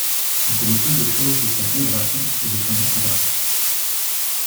On connaît peu de chose de sa biographie et de son entourage.